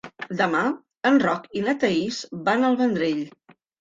Demà en Roc i na Thaís van al Vendrell.